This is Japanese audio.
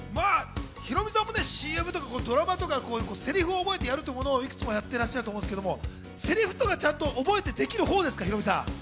ヒロミさんもＣＭとかドラマとか、セリフを覚えてやるもの、いくつもやってらっしゃると思いますが、セリフとかちゃんと覚えてできるほうですか？